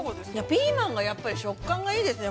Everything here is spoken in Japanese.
◆ピーマンが、やっぱり食感がいいですね。